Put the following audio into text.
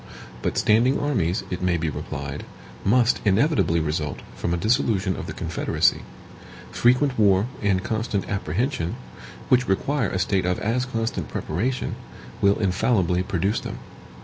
But standing armies, it may be replied, must inevitably result from a dissolution of the Confederacy. Frequent war and constant apprehension, which require a state of as constant preparation, will infallibly produce them.